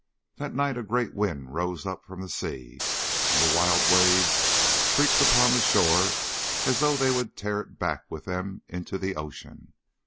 That night a great wind rose up from the sea, and the wild waves shrieked upon the shore as though they would tear it back with them into the ocean.